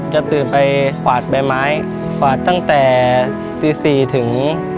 จะตื่นไปขวาดใบไม้ขวาดตั้งแต่๔๕น